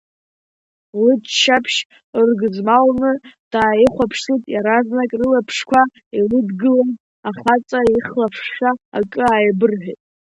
Лыччаԥшь ыргызмалны дааихәаԥшит, иаразнак рылаԥшқәа илыдгылаз ахаҵа ихлафшәа акы ааибырҳәеит.